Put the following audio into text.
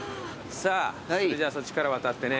さあそれじゃそっちから渡ってね。